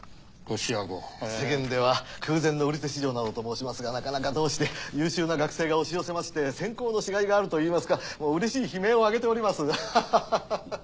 世間では空前の売り手市場などと申しますがなかなかどうして優秀な学生が押し寄せまして選考のしがいがあるといいますかうれしい悲鳴を上げております。